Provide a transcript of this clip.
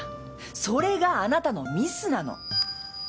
それがあなたのミスなの。